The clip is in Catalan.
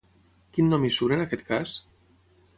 Quin nom hi surt en aquest cas?